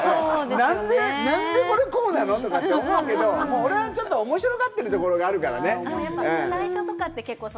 何で、これこうなの？とかって思うけれども、俺はちょっと面白がってるところがあるからね。